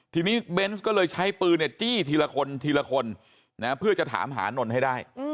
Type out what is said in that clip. ทีนี้เบนส์ก็เลยใช้ปืนจี้ทีละคนทีละคนเพื่อจะถามหานนท์ให้ได้